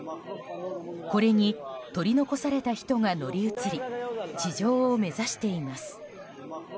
これに取り残された人が乗り移り地上を目指しています。